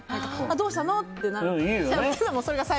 どうしたの？って。